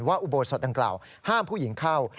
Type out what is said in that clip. อุโบสถดังกล่าวห้ามผู้หญิงเข้า